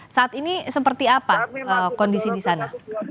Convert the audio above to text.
saat ini seperti apa kondisi di sana